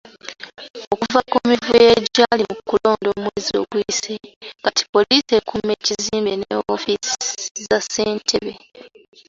Okuva ku mivuyo egyali mu kulonda omwezi oguyise kati poliisi ekuuma ekizimbe ne woofiisi za ssentebe.